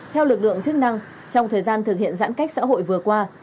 theo lực lượng chức năng trong thời gian thực hiện giãn cách xã hội vừa qua